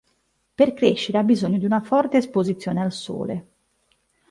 Per crescere ha bisogno di una forte esposizione al sole.